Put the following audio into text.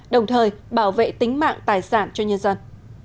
đồng thời bảo vệ tính mạng tài sản cho nhân dân